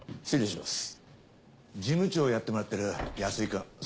事務長をやってもらってる安井くん。